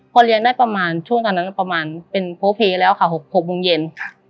พอเรียนได้ประมาณช่วงตอนนั้นประมาณเป็นโพเพแล้วค่ะ๖โมงเย็น